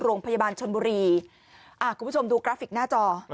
โรงพยาบาลชนบุรีคุณผู้ชมดูกราฟิกหน้าจอ